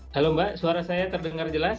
halo mbak suara saya terdengar jelas